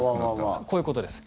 こういうことです。